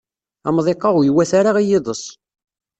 Amḍiq-a ur iwata ara i yiḍes.